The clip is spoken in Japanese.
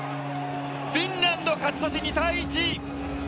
フィンランド勝ち越し、２対１。